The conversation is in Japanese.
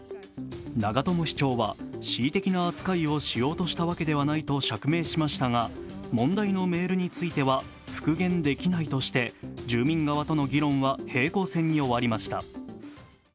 長友市長は、恣意的な扱いをしようとしたわけではないと釈明しましたが、問題のメールについては復元できないとして住民側との議論は平行線に終わりました。